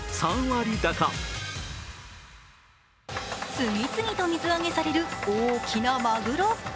次々と水揚げされる大きなマグロ。